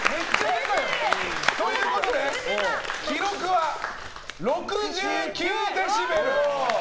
ということで記録は６９デシベル。